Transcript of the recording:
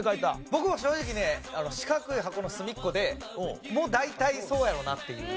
僕も正直ね「しかくいハコのすみっこ」でもう大体そうやろうなっていう。